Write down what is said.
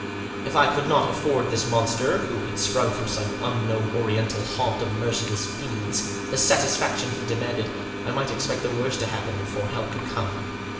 If I could not afford this monster, who had sprung from some unknown oriental haunt of merciless fiends, the satisfaction he de manded, I might expect the worst to happen before help could come.